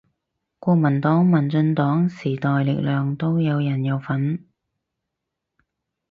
國民黨民進黨時代力量都有人有份